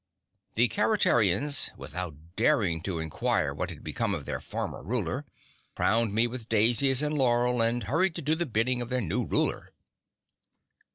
The Keretarians, without daring to inquire what had become of their former ruler, crowned me with daisies and laurel and hurried to do the bidding of their new ruler."